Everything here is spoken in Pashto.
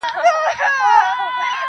جهاني ما دي د خوبونو تعبیرونه کړي-